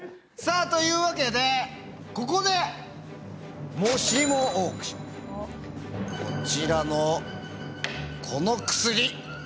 さあというわけでここでこちらのこの薬！